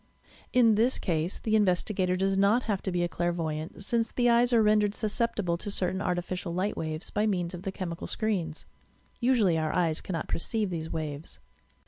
In this case the investigator does not have to be a clairvoy ant, since the eyes are rendered susceptible to certain ar tificial light waves by means of the chemical screens. Usually our eyes cannot perceive these waves.